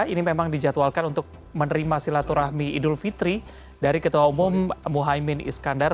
ini memang dijadwalkan untuk menerima silaturahmi idul fitri dari ketua umum muhaymin iskandar